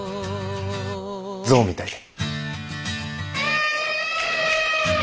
象みたいで。